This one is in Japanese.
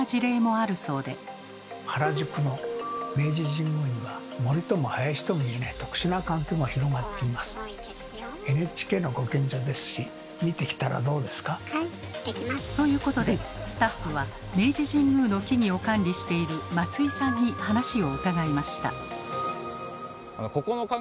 原宿の明治神宮にはということでスタッフは明治神宮の木々を管理している松井さんに話を伺いました。